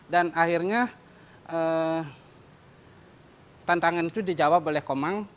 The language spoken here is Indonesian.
dan akhirnya tantangan itu dijawab oleh komang